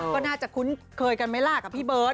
ก็น่าจะคุ้นเคยกันไหมล่ะกับพี่เบิร์ต